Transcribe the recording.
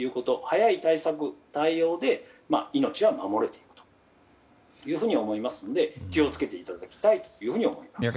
早い対策・対応で命は守るというふうに思いますので気を付けていただきたいと思います。